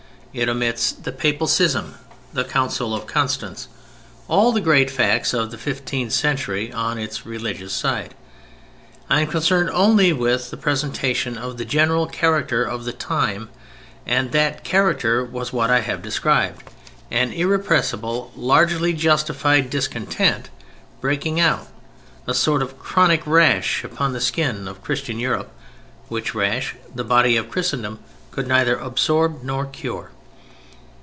It omits the Papal Schism; the Council of Constance; all the great facts of the fifteenth century on its religious side. I am concerned only with the presentation of the general character of the time, and that character was what I have described: an irrepressible, largely justified, discontent breaking out: a sort of chronic rash upon the skin of Christian Europe, which rash the body of Christendom could neither absorb nor cure.